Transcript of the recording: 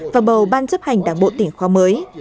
và bầu ban chấp hành đảng bộ tỉnh khóa mới